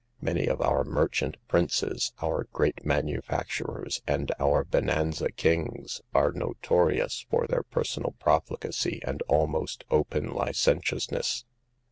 Many of our merchant princes, our great manufacturers and our bonanza kings are notorious for their per sonal profligacy and almost open licentiousness.